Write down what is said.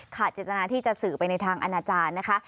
เจตนาที่จะสื่อไปในทางอนาจารย์นะคะ